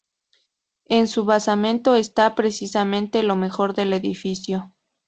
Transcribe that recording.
En su basamento está, precisamente, lo mejor del edificio.